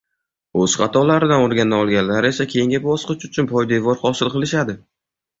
o’z xatolaridan o’rgana olganlar esa keyingi bosqich uchun poydevor hosil qilishadi